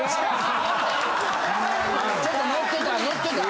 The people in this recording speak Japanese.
ちょっとノッてた。